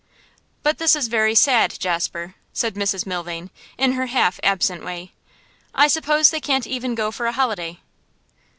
'But this is very sad, Jasper,' said Mrs Milvain, in her half absent way. 'I suppose they can't even go for a holiday?